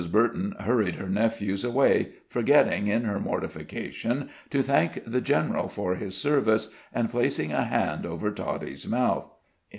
Burton hurried her nephews away, forgetting, in her mortification, to thank the general for his service, and placing a hand over Toddie's mouth.